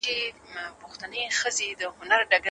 تاسي تل په صبر اوسیږئ.